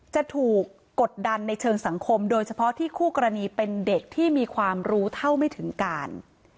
จะถูกกดดันในเชิงสังคมโดยเฉพาะที่คู่กรณีเป็นเด็กที่มีความรู้เท่าไม่ถึงการ